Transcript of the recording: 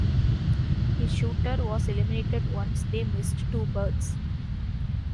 A shooter was eliminated once they missed two birds.